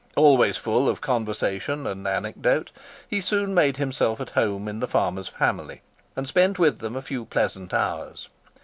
Always full of conversation and anecdote, he soon made himself at home in the farmer's family, and spent with them a few pleasant hours.